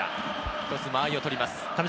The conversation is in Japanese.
一つ間合いをとります。